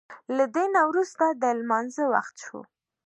له دې نه وروسته د لمانځه وخت شو.